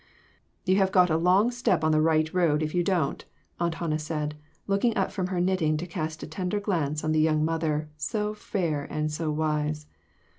" You have got a long step on the right road if you don't," Aunt Hannah said, looking up from her knitting to cast a tender glance on the young mother, so fair and so wise.